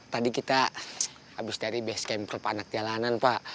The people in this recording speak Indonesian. tadi kita abis dari bskm klub anak jalanan pak